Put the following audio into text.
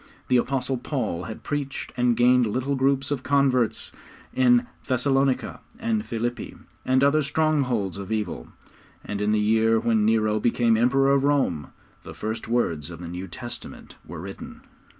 The Apostle Paul had preached and gained little groups of converts in Thessalonica and Philippi and other strongholds of evil, and in the year when Nero became Emperor of Rome, the first words of the New Testament were written.